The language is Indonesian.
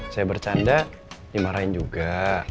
saya bercanda dimarahin juga